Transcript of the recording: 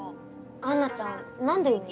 アンナちゃん何で上に？